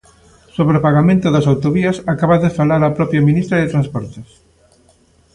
Sobre o pagamento das autovías, acaba de falar a propia ministra de Transportes.